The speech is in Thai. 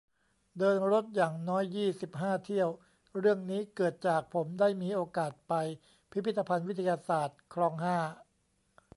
เดินรถอย่างน้อย ยี่สิบห้า เที่ยว เรื่องนี้เกิดจากผมได้มีโอกาสไปพิพิธภัณฑ์ วิทยาศาสตร์ คลอง ห้า